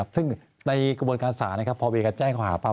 ซึ่งในกระบวนการศาลพอมีการแจ้งข้อหาปั๊